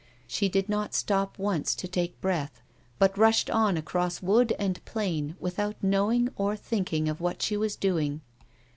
She did not stop once to take breatli, but rushed on across wood and plain without knowing or thinking of what she was doing.